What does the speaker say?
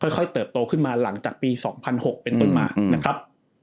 ค่อยค่อยเติบโตขึ้นมาหลังจากปีสองพันหกเป็นตัวมาอืมนะครับ